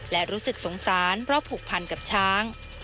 และรู้สึกสงสารเพราะผูกพันกับช้าง